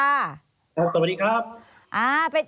สวัสดีครับ